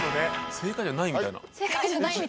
正解じゃないみたいな。